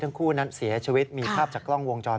ทั้งคู่นั้นเสียชีวิตมีภาพจากกล้องวงจร